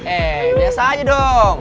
eh biasa aja dong